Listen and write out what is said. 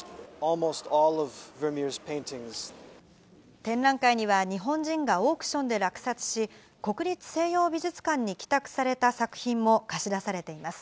展覧会には日本人がオークションで落札し、国立西洋美術館に寄託された作品も貸し出されています。